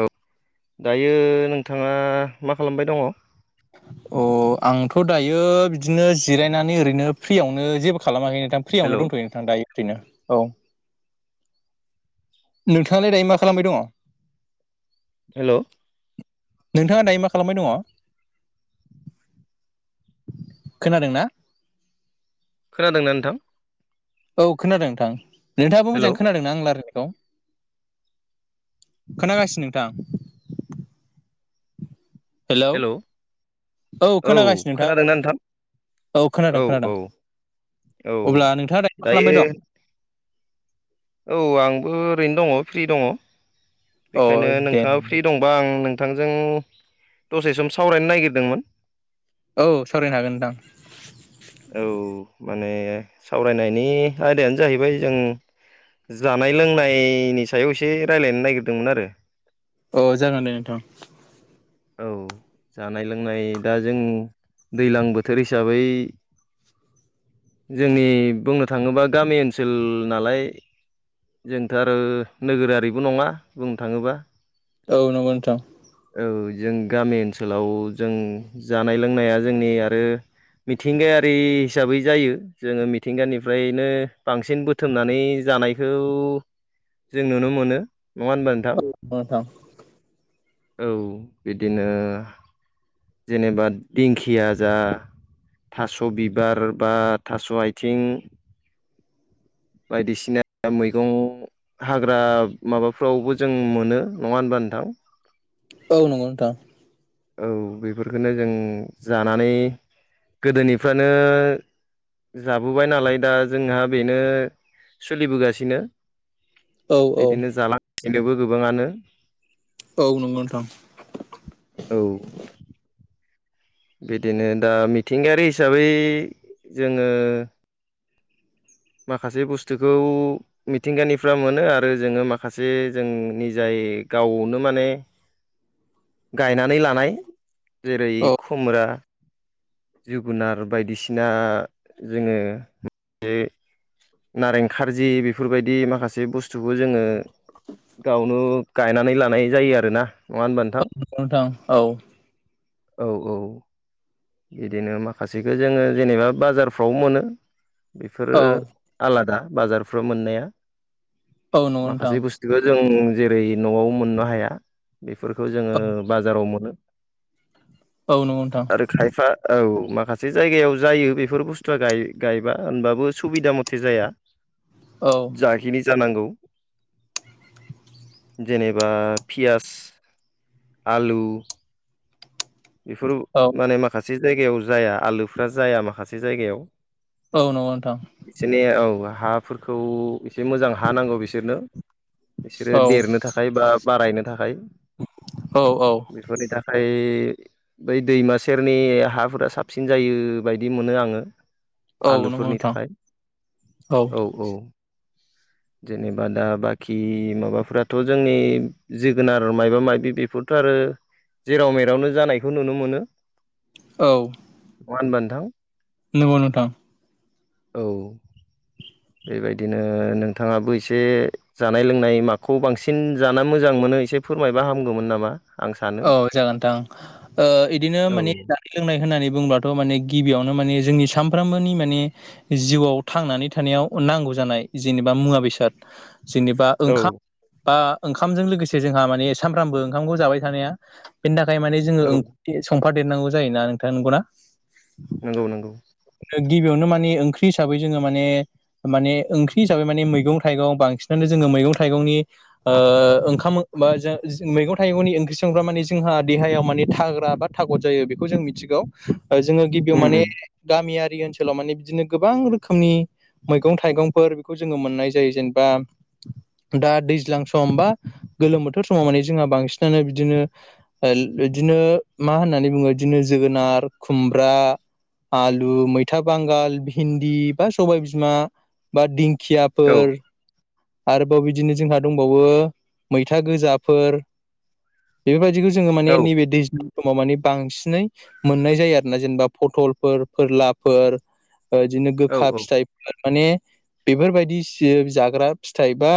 औ दायो नोंथाङा मा खालामबाय दङ? [inaudible] अ आंथ' दायो बिदिनो जिरायनानै ओरैनो फ्रियावनो जेबो खालामाखै नोंथां हेलौ फ्रियावनो दंथ'यो नोंथां दायो फ्रियैनो औ नोंथाङालाय दायो मा खालामबाय दङ? हेलौ नोंथाङा दायो मा खालामबाय दङ? खोनादोंना? खोनादोंना नोंथां? औ खोनादों नोंथां। नोंथाङाबो मोजां हेलौ खोनादों ना आं लाराय नायखौ? खोनागासिनो नोंथां। हेलौ औ खोनागासिनो नोंथां आङो औ खोनादों खोनादों। औ अब्ला नोंथाङा दायो मा खालामबाय दं? औ आंबो ओरैनो दङ फ्रि दङ अ बेखायनो दे नोंथाङा फ्रि दं बा आं नोंथांजों दसे सम सावरायनो नागिरदोंमोन। औ सावरायनो हागोन नोंथां। औ माने सावरायनायनि आयदायानो जाहैबाय जों जानाय लोंनायनि सायाव एसे रायज्लायनो नागिरदोंमोन आरो। अ जागोन दे नोंथां। औ जानाय लोंनाय दा जों दैलां बोथोर हिसाबै जोंनि बुंनो थाङोबा गामि ओनसोल नालाय जोंथ' आरो नोगोरारिबो नङा बुंनो थाङोबा। औ नंगौ नोंथां। औ जों गामि ओनसोलाव जों जानाय लोंनाया जोंनि आरो मिथिंगायारि हिसाबै जायो जोङो मिथिंगानिफ्रायनो बांसिन बो थोमनानै जानायखौ जों नुनो मोनो। नङा होनबा नोंथां [unintelligible] औ बिदिनो जेनेबा दिंखिया जा थास' बिबार बा थास' आइथिं बायदिसिना मैगं हाग्रा माबाफ्रावबो जों मोनो। नङा होनबा नोथां? औ नंगौ नोंथां। औ बैफोरखोनो जों जानानै गोदोनिफ्रायनो जाबोबाय नालाय दा जोंहा बेनो सुलि बोगासिनो। औ औ बिदिनो जालां गासिबो गोबाङानो। औ नंगौ नोंथां। औ बिदिनो दा मिथिंगायारि हिसाबै जोङो माखासे बुस्थुखौ मिथिंगानिफ्रा मोनो आरो जोङो माखासे जोंनि जाय गावनो माने गायनानै लानाय जेरै औ खुमरा जोगुनार बायदिसिना जोङो [unintelligible] नारें खारजि बेफोरबायदि माखासे बुस्थुखौ जोङो गावनु गायनानै लानाय जायो आरोना। नङा होनबा नोंथां? नंगौ नोंथां औ। औ औ बिदिनो माखासेखो जोङो जेनेबा बाजारफ्राव मोनो बेफोरो औ आलादा बाजारफ्रो मोननाया औ नंगौ नोंथां माखासे बुस दिखौ जों जेरै न'आव मोननो हाया बेफोरखौ जोङो औ बाजाराव मोनो। औ नंगौ नोंथां। आरो खाय फ्रा औ माखासे जायगायाव जायो बेफोर बुस्थुआ गाय गायबा होनबाबो सुबिदा मथे जाया। औ जाखिनि जानांगौ जेनेबा पियास आलु बेफोर औ माने माखासे जायगायाव जाया आलुफ्रा जाया माखासे जायगायाव औ नंगौ नोंथां जेने औ हाफोरखौ एसे मोजां हा नांगौ बिसोरनो बिसोरो औ देरनो थाखाय बा बारायनो थाखाय औ औ बेफोरनिथाखाय बै दैमा सेरनि हाफोरा साबसिन जायो बायदि मोनो आङो औ नंगौ आलुफोरनि नोंथां थाखाय औ औ जेनेबा दा बाखि माबाफथ जोंनि जोगोनार मबा माबि बेफोरथ आरो जेराव मेरावनो जानायखौ नुनो मोनो औ नङा होमबा नोंथां नोंगौ नोंथां औ बेबायदिनो नों थाङाबो एसे जानाय लोंनाय माखौ बांसिन जाना मोजां मोनो एसे फोरमायबा हामगौमोन नामा आं सानो औ जागोन नोंथां ओ इदिनो औ माने जोंना लोंनाय होननानै बुंब्लाथ माने गिबियावनो माने जोंनि सानफ्रामबोनि माने जिउआव थांनानै थानायाव नांगौ जानाय जेनेबा मुवा बेसाद जेनेबा ओंखाम औ बा ओंखामजों लोगोसे जोंहा माने सामफ्रामबो ओंखामखौ जाबाय थानाया बेनि थाखाय माने जोङो ओंख्रि संफादेरनांगौ जायोना नोंथां नंगौना नंगौ नंगौ गिबियावनो माने ओंख्रि हिसाबै जोङो माने माने ओंख्रि हिसाबै माने मैगं थाइगं बांसिनानो जोङो मैगं थाइगंनि ओ ओंखामा बा जो मैगं थाइगंनि संग्रा माने जोंहा देहायाव माने थाग्रा बा थागद जायो बेखौ जों मिथिगौ जोङो गिबियाव उम माने उम गामियारि ओनसोलाव ओनसोलाव माने बिदिनो गोबां रोखोमनि मैगं थाइगंफोर बेखौ जोङो मोननाय जायो जेनेबा दा दैज्लां सम बा गोलोम बोथोर समाव माने जोंहा बांसिनानो इदिनो इदिनो मा होननानै बुङो इदिनो जोगोनार खुमब्रा आलु मैथा बांगाल भिन्दि बा सबाय बिमा बा औ दिंखियाफोर आरोबाव बिदिनो जोंहा दंबावो मैथा गोजाफोर बेफोरबायदिखौ जोङो माने औ नैबे दै ज्लां समाव माने बांसिनै मोननाय जायो आरो ना जेनेबा पथलफोर फोरलाफोर बिदिनो औ गोखा औ फिथाइफोर माने बेफोरबायदि जाग्रा फिथाइ बा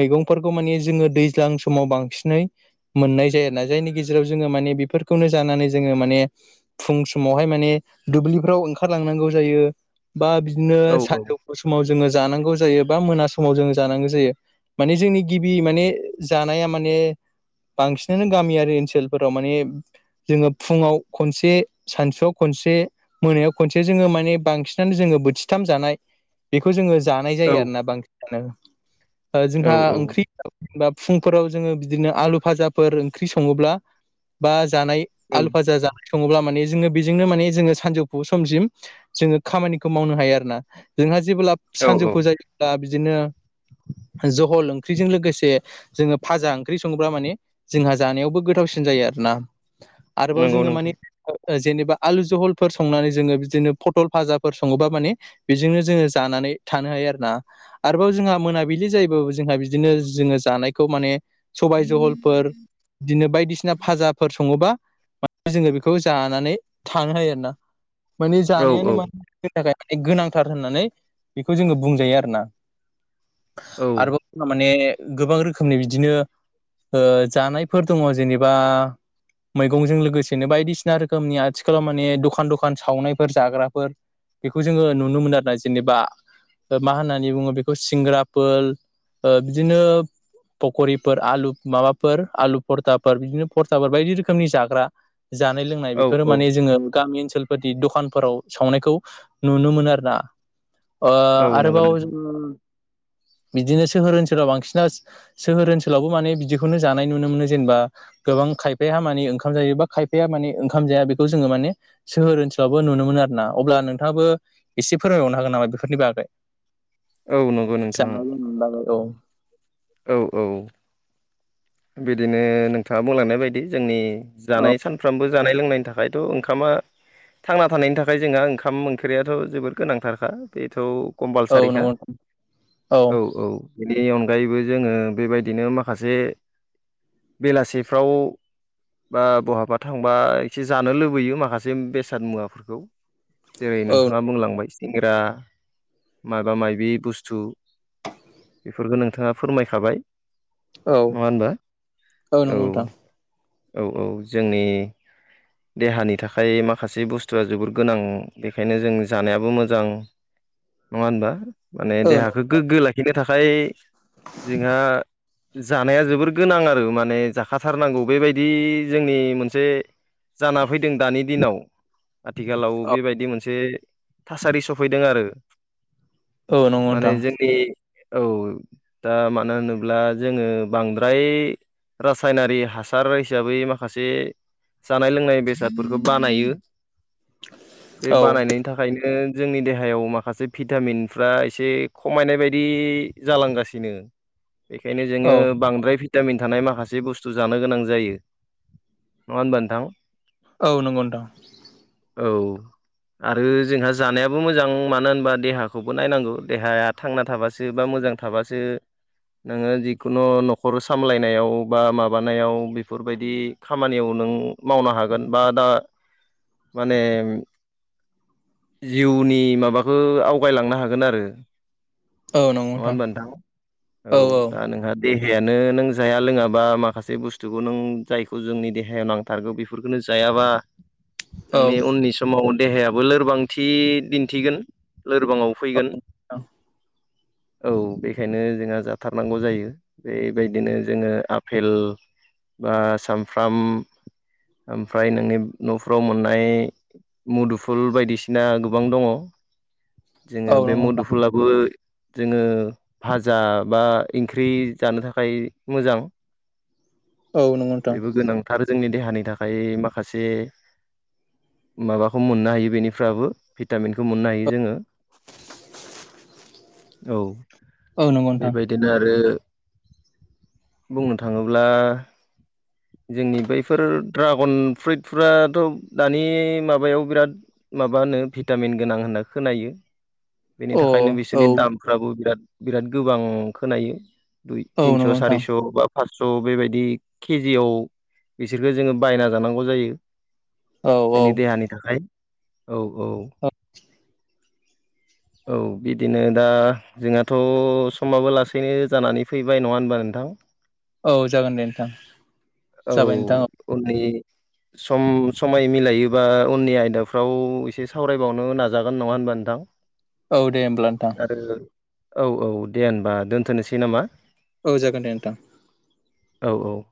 मैगंफोरखौ माने जोङो दैज्लां समाव बांसिनै मोननाय जायो आरोना जायनि गेजेराव जोङो माने बेफोरखौनो जानानै जोङो माने फुं समावहाय माने दुब्लिफ्राव ओंखारलांनांगौ जायो बा बिदिनो औ औ सानजौफु समाव जोङो जानांगौ जायो बा मोना समाव जोङो जानांगौ जायो माने जोंनि गिबि माने जानाया माने बांसिनानो गामियारि ओनसोलफोराव माने जोङो फुङाव खनसे सानसुआव खनसे मोनायाव खनसे जोङो माने बांसिनानो जोङो बोथिथाम जानाय बेखौ जोङो जानाय औ जायो आरोना बांसिनानो ओ जोंहा ओंख्रि बा फुंफोराव जोङो बिदिनो आलु फाजाफोर ओंख्रि सङोब्ला बा जानाय औ आलु फाजा जानो सङोब्ला माने जोङो बेजोंनो माने जोङो सानजौफु समसिम जोङो खामानिखौ मावनो हायो आरोना जोंहा जेबोला औ औ सानजौफु जायो दा बिदिनो जहल ओंख्रिजों लोगोसे जोङो फाजा ओंख्रि सङोब्ला माने जोंहा जानायावबो गोथावसिन जायो आरोना आरोबाव नंगौ जोङो माने नोंथां जेनेबा आलु जहलफोर संनानै जोङो बिदिनो पटल फाजाफोर सङोबा माने बेजोंनो जोङो जानानै थानो हायो आरो ना। आरोबाव जोंहा मोनाबिलि जायोबाबो जोंहा बिदिनो जोङो जानायखौ माने सबाय जहल बिदिनो बायदिसिना फाजाफोर सङोबा जोङो बेखौ जानानै थानो हायो आरो ना माने औ जानायानो औ मा जोंनि थाखाय माने गोनांथार होननानै बेखौ जोङो बुंजायो आरोना औ आरोबाव माने गोबां रोखोमनि बिदिनो ओ जानायफोर दङ जेनेबा मैगंजों लोगोसेनो बायदिसिना रोखोमनि आथिखालाव माने दखान दखान सावनायफोर जाग्राफोर बेखौ जोङो नुनो मोनो आरो ना जेनेबा मा होननानै बुङो बेखौ सिंग्राफोर बिदिनो पकरिफोर आलु माबाफोर आलु फरथाफोर बिदिनो फरथाफोर बायदि रोखोमनि जाग्रा जानाय लोंनाय औ बेफोरो माने औ जोङो गामि ओनसोल बादि दखानफोराव सावनायखौ नुनो मोनो आरो ना। ओ औ नंगौ आरोबाव नोंथां बिदिनो सोहोर ओनसोलाव बांसिना सोहोर ओनसोलावबो माने बिदि खौनो जानाय नुनो मोनो जेनेबा गोबां खायफाया माने ओंखाम जायो बा खायफाया माने ओंखाम जाया बेखौ जोङो माने सोहोर ओनसोलावबो नुनो मोन आर ना अब्ला नोंथाङाबो एसे फोरमायबावनो हागोन नामा बेफोरनि बागै? औ नंगौ नोंथां [unintelligible] औ औ औ बिदिनो नोंथाङा बुंलांनाय बायदि जोंनि जानाय सानफ्रामबो जानाय लोंनायनि थाखायथ' ओंखामा थांना थानायनि थाखाय जोंहा ओंखाम ओंख्रियाथ' जोबोर गोनांथारखा बेथ' औ कम्पालसारिखा नंगौ औ औ बेनि अनगायैबो जोङो बेबायदिनो माखासे बेलासिफ्राव बा बहाबा थांबा एसे जानो लुबैयो माखासे बेसाद मुवाफोरखौ। जेरै औ नोंथाङा बुंलांबाय सेंग्रा माबा माबि बुस्थु। बेफोरखौ नोंथाङा फोरमायखाबाय। मङा होनबा औ नंगौ नोंथां औ औ जोंनि देहानि थाखाय माखासे बुस्थुआ जोबद गोनां बेखायनो जों जानायाबो मोजां। नङा होनबा माने औ देहाखौ गोग्गो लाखिनो थाखाय जोंहा जानाया जोबोर गोनां आरो माने जाखाथारनांगौ बेबायदि जोंनि मोनसे जाना फैदों दानि दिनाव आथिखालाव बेबायदि मोनसे थासारि सफैदों आरो। औ नंगौ नोंथां औ नंगौ माने नोंथां जोंनि औ दा मानो होनोब्ला जोङो बांद्राय रासायनारि हासार हिसाबै माखासे जानाय लोंनाय बेसादफोरखौ बानायो [inaudible] बे बानायनायनि थाखाय ओंखायनो जोंनि देहायाव माखासे भिटामिनफ्रा एसे खमायनाय बायदि जालांगासिनो। [unintelligible] नंगौ नोंथां औ बांद्रा भि य भिटामिन थानाय माखासे बुस्थु जानो गोनां जायो नङा होनबा नोंथां? औ नंगौ नथां औ आरो जोंहा जानायाबो मोजां मानो होनबा देहाखौबो नायनांगौ देहाया थांना थाबासो बा मोजां थाबासो नोङो जिखुनु न'खर सामलायनायाव बा माबानायाव बेफोरबायदि खामानियाव नों मावनो हागोन बा दा माने जिउनि माबाखौ आवगायलांनो हागोन आरो औ नङा नोंथां। होनबा औ दा नोंहा देहायानो नों जाया लोङाबा माखासे बुस्थुखौ नों जायखौ जोंनि देहायाव नां थारगौ बेफोरफोरखौनो जायाबा [inaudible] नोंनि उननि समाव देहायाबो लोरबांथि दिन्थिगोन लोरबाङाव फैगोन औ बेखायनो जोंहा जा बुथारनांगौ जायो बेबायदिनो जोङो आफेल बा सामफ्राम ओमफ्राय नोंनि न'फ्राव मोननाय मुदुफुल बायदिसिना गोबां दङ। जोङो बे मुदुफुलाबो जोङो भाजा बा ओंख्रि जानो थाखाय मोजां बेबो गोनांथार जोंनि देहानि थाखाय माखासे माबाखौ मोननो हायो बेनिफ्राबो भिटामिनखौ मोननो हायो जोङो औ। औ नंगौ नोंथां। बिदिनो आरो बुंनो थाङोब्ला। जोंनि बैफोर ड्रागन फ्रुइटफ्राथ' दानि माबायाव बिराद माब होनो भिटामिन गोनां होनना खोनायो। बेनि अ औ थाखायनो बिसोरनि दामफ्राबो बिराद बिराद गोबां खोनायो। दुइ औ नंगौ तिनस' नोंथां सारिस' बा पासस' बेबायदि केजियाव बिसोरखो जोङो बायना जानांगौ जायो। औ औ जोंनि देहानि थाखाय औ औ [inaudible] औ बिदिनो दा जोंहाथ' समाबो लासैनो जानानै फैबाय नङा होनबा नोंथां? औ जागोन दे नोंथां। औ जाबाय नोंथां औ उनि सम समाय मिलायोबा उननि आयदाफ्राव एसे सावरायबावनो नाजागोन नङा होनबा नोंथां। औ दे होमब्ला नोंथां। आरो औ औ दे होनबा दोनथ'नोसै नामा? औ जागोन दे नोंथां। औ औ।